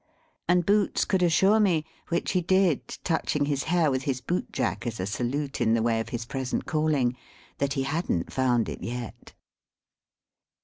And Boots could assure me which he did, touching his hair with his bootjack, as a salute in the way of his present calling that he hadn't found it yet.